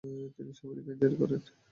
তিনি সামরিক আইন জারি করেন।